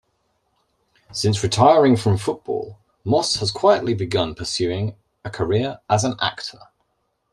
Since retiring from football, Moss has quietly begun pursuing a career as an actor.